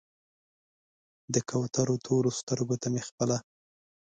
د کوترو تورو سترګو ته مې خپله